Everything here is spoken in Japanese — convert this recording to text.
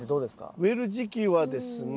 植える時期はですね